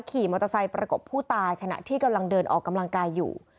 ขี่มอเตอร์ไซค์ประกบผู้ตายขณะที่กำลังเดินออกกำลังกายอยู่